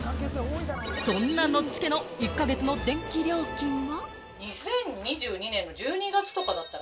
そんなノッチ家の１か月の電気料金は。